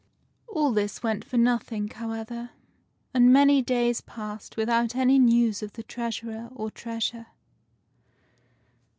All this went for nothing, however; and many days passed without any news of the Treasurer or treasure.